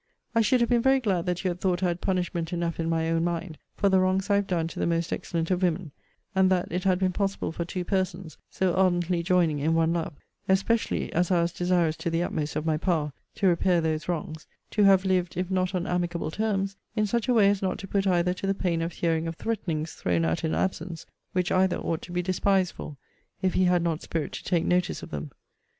I should have been very glad that you had thought I had punishment enough in my own mind for the wrongs I have done to the most excellent of women; and that it had been possible for two persons, so ardently joining in one love, (especially as I was desirous to the utmost of my power, to repair those wrongs,) to have lived, if not on amicable terms, in such a way as not to put either to the pain of hearing of threatenings thrown out in absence, which either ought to be despised for, if he had not spirit to take notice of them.